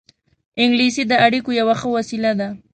انګلیسي د اړیکو یوه ښه وسیله ده